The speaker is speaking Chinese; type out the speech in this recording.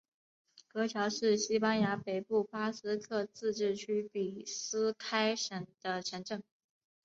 格乔是西班牙北部巴斯克自治区比斯开省的城镇。